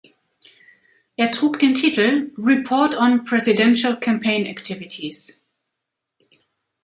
Er trug den Titel "Report on Presidential Campaign Activities".